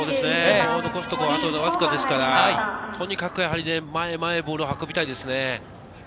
残すところ、あとわずかですから、とにかく前へ前へボールを運びたいですね。